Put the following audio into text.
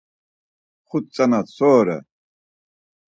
Xut tzana so ore?